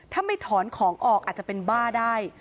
ถ้าไม่ถอนของออกอาจจะเป็นบ้าได้